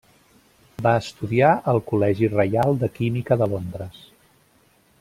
Va estudiar al Col·legi Reial de Química de Londres.